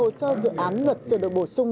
hồ sơ dự án luật sửa đổi bổ sung